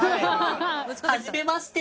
はじめまして。